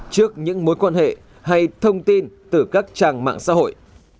trước những mối quan hệ hay thông tin từ các trang mạng xã hội